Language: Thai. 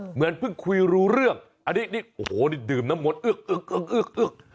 เหมือนเพิ่งคุยรู้เรื่องอันนี้นี่โอ้โหนี่ดื่มน้ำหมดเอื้อกเอื้อกเอื้อกเอื้อก